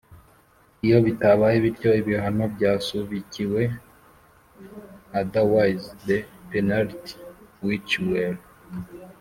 Iyo bitabaye bityo ibihano byasubikiwe Otherwise the penalties which were